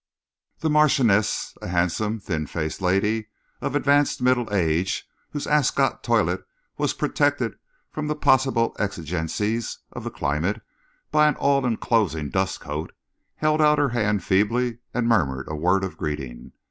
The Marchioness, a handsome, thin faced lady of advanced middle age, whose Ascot toilette was protected from the possible exigencies of the climate by an all enclosing dust coat, held out her hand feebly and murmured a word of greeting.